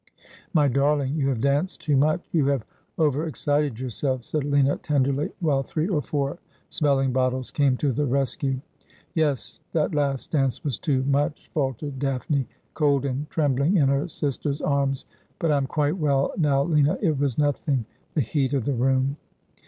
'My darling, you have danced too much. You have over excited yourself,' said Lina tenderly ; while three or four smell ing bottles came to the rescue. ' Yes ; that last dance was too much,' faltered Daphne, cold and trembling in her sister's arms. ' But I'm quite well now, Lina. It was nothing. The heat of the room.'